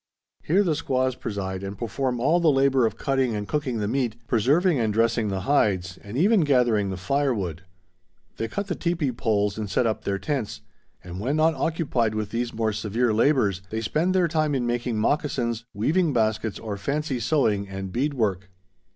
Here the squaws preside and perform all the labor of cutting and cooking the meat, preserving and dressing the hides, and even gathering the firewood. They cut the teepee poles and set up their tents; and when not occupied with these more severe labors, they spend their time in making moccasins, weaving baskets, or fancy sewing and bead work.